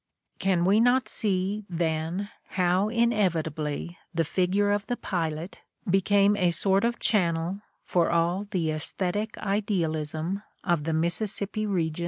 Can we not see, then, how inevitably the figure of the pilot became a sort of channel for all the assthetic idealism of the Mississippi region?